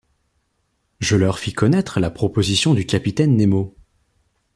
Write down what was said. Je leur fis connaître la proposition du capitaine Nemo.